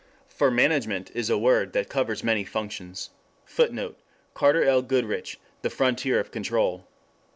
For management is a word that covers many functions. [Footnote: Cf. Carter L. Goodrich, The Frontier of Control.